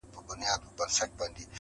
ه ولي په زاړه درد کي پایماله یې؟